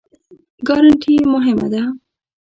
ګارنټي مهمه دی؟